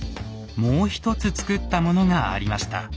もう一つつくったものがありました。